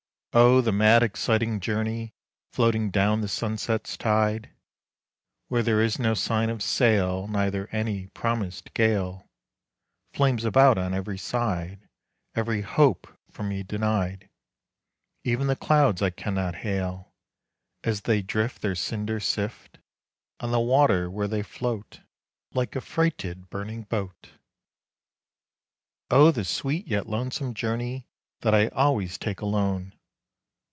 Oh! the mad, exciting journey! Floating down the sunset's tide, Where there is no sign of sail, Neither any promised gale. Flames about on every side, Every hope from me denied. Even the clouds I can not hail; As they drift, Their cinders sift On the water where they float, Like a freighted, burning boat. Oh! the sweet, yet lonesome journey That I always take alone!